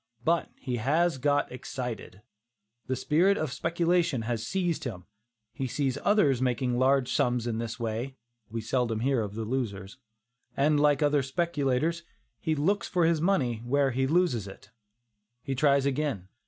But he has got excited; the spirit of speculation has seized him; he sees others making large sums in this way (we seldom hear of the losers), and like other speculators, he "looks for his money where he loses it." He tries again.